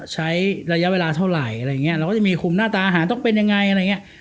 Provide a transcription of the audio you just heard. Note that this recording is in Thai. ใช้ระยะเวลาเท่าไหร่อะไรอย่างนี้เราก็จะมีคุมหน้าตาอาหารต้องเป็นยังไงอะไรอย่างเงี้ย